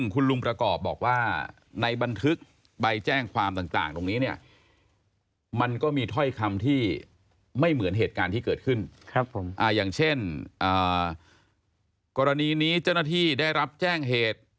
กรณีนี้เจ้าหน้าที่ได้รับแจ้งเหตุ